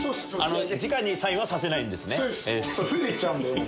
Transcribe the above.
じかにサインさせないんですね？